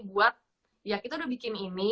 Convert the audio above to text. buat ya kita udah bikin ini